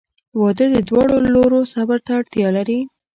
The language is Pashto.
• واده د دواړو لورو صبر ته اړتیا لري.